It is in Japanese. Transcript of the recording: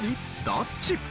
どっち？